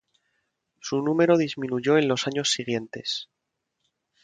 Su número disminuyó en los años siguientes.